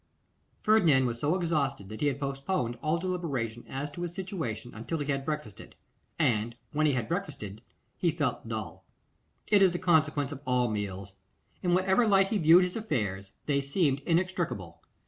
Ferdinand was so exhausted that he had postponed all deliberation as to his situation until he had breakfasted; and when he had breakfasted, he felt dull. It is the consequence of all meals. In whatever light he viewed his affairs, they seemed inextricable.